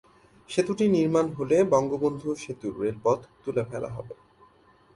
সেতুটি নির্মাণ হলে বঙ্গবন্ধু সেতুর রেলপথ তুলে ফেলা হবে।